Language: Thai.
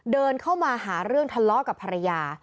เดินเข้ามาหาเรื่องทะเลาะกับภรรยา